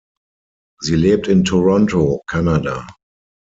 Sie lebt in Toronto, Kanada.